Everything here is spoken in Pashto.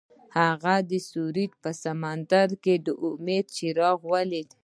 هغه د سرود په سمندر کې د امید څراغ ولید.